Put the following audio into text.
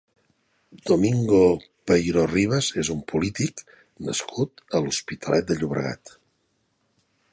Domingo Peiro Rivas és un polític nascut a l'Hospitalet de Llobregat.